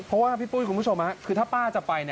เพราะว่าพี่ปุ้ยคุณผู้ชมคือถ้าป้าจะไป